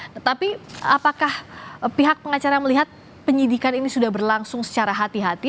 tetapi apakah pihak pengacara melihat penyidikan ini sudah berlangsung secara hati hati